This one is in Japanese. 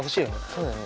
そうだね。